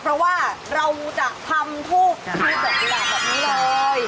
เพราะว่าเราจะทำทูบที่เติมกีฬาแบบนี้เลย